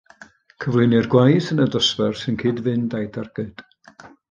Cyflwynir gwaith yn y dosbarth sy'n cyd-fynd â'i darged